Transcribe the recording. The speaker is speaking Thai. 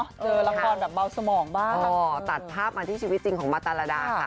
เจอละครแบบเบาสมองบ้างตัดภาพมาที่ชีวิตจริงของมาตรดาค่ะ